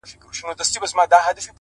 • چا له بېري هلته سپوڼ نه سو وهلاى,